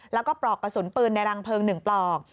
แล้วก็ปลอกกระสุนปืนในรังเพลิง๑ปลอก